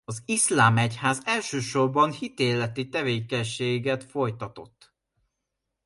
Az Iszlám Egyház elsősorban hitéleti tevékenységet folytatott.